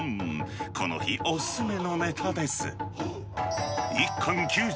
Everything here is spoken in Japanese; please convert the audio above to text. この日お勧めのネタです。